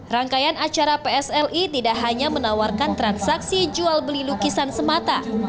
rangkaian acara psli tidak hanya menawarkan transaksi jual beli lukisan semata